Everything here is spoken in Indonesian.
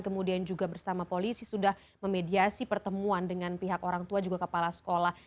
kemudian juga bersama polisi sudah memediasi pertemuan dengan pihak orang tua juga kepala sekolah